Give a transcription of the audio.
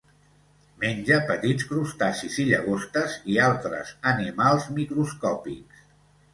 Menja petits crustacis i llagostes i altres animals microscòpics.